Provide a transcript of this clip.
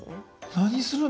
何するの？